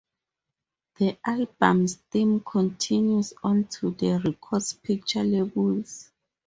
The album's theme continues onto the record's picture labels.